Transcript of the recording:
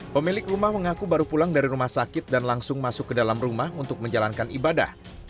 pemilik rumah mengaku baru pulang dari rumah sakit dan langsung masuk ke dalam rumah untuk menjalankan ibadah